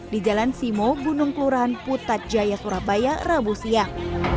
di jalan simo gunung kelurahan putat jaya surabaya rabu siang